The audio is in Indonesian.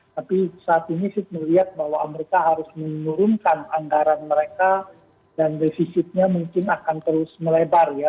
tapi saat ini sih melihat bahwa amerika harus menurunkan anggaran mereka dan defisitnya mungkin akan terus melebar ya